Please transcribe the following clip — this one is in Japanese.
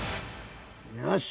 よし！